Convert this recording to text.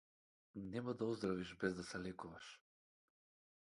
Нема да оздравиш без да се лекуваш.